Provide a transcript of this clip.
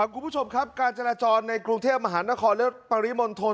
คุณผู้ชมครับการจราจรในกรุงเทพมหานครและปริมณฑล